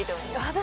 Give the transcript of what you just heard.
私？